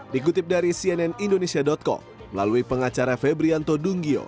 dikutip dari cnn indonesia com melalui pengacara febrianto dunggio